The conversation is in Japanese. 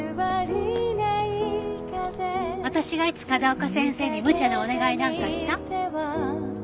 私がいつ風丘先生にむちゃなお願いなんかした？